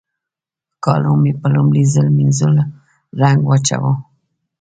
کالو مې په لومړي ځل مينځول رنګ واچاوو.